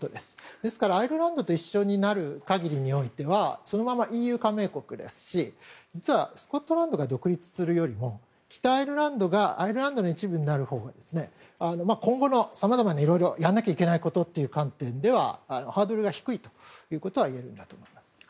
ですから、アイルランドと一緒になる限りにおいてはそのままＥＵ加盟国ですし実はスコットランドが独立するよりも北アイルランドがアイルランドの一部になるほうが今後のさまざまやらなければいけないことという観点ではハードルが引くということはいえると思います。